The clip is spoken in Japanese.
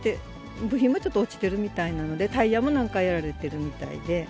部品もちょっと落ちてるみたいなので、タイヤもなんかやられてるみたいで。